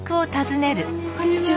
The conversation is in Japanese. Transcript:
こんにちは。